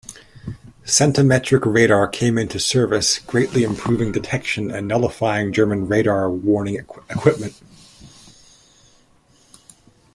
Centimetric radar came into service, greatly improving detection and nullifying German radar warning equipment.